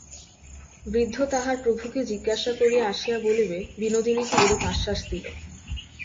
বৃদ্ধ তাহার প্রভুকে জিজ্ঞাসা করিয়া আসিয়া বলিবে, বিনোদিনীকে এরূপ আশ্বাস দিল।